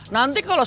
nanti kalau sudah